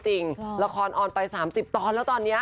หรือสมใจนึกจริงละครออนไป๓๐ตอนแล้วตอนนี้